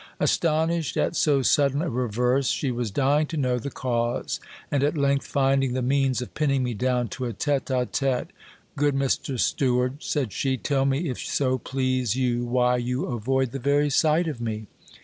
Astonished at so sudden a reverse, she was dying to know the cause, and at length, finding the means of pinning me down to a tete a tete, Good Mr Steward, said she, tell me, if so please you, why you avoid the very sight of me?